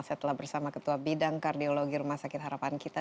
saya telah bersama ketua bidang kardiologi rumah sakit harapan kita